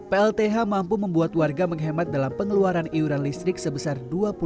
plth mampu membuat warga menghemat dalam pengeluaran iuran listrik sebesar dua puluh